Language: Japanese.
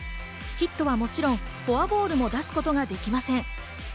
ヒットはもちろん、フォアボールも出すことができません。